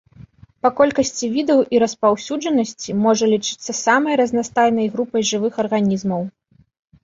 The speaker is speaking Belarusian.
Па колькасці відаў і распаўсюджанасці можа лічыцца самай разнастайнай групай жывых арганізмаў.